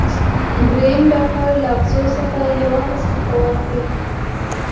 دریم ډاکټر له عکسو څخه یو عکس ورته ورکړ.